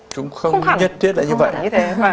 chúng không nhất tiết là như vậy